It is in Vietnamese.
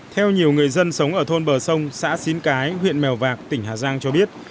theo nhiều người dân sống ở thôn bờ sông xã xín cái huyện mèo vạc tỉnh hà giang cho biết